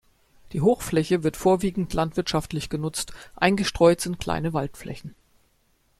Die Hochfläche wird vorwiegend landwirtschaftlich genutzt; eingestreut sind kleine Waldflächen.